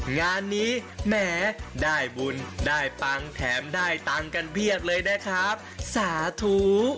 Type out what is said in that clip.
งานนี้แหมได้บุญได้ปังแถมได้ตังค์กันเพียบเลยนะครับสาธุ